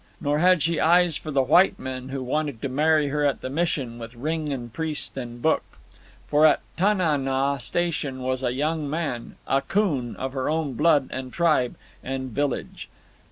Nor had she eyes for the white men who wanted to marry her at the Mission with ring and priest and book. For at Tana naw Station was a young man, Akoon, of her own blood, and tribe, and village.